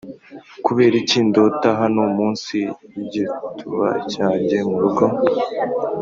kuberiki ndota hano munsi yigituba cyanjye murugo,